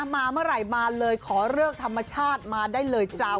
มาเมื่อไหร่มาเลยขอเลิกธรรมชาติมาได้เลยเจ้า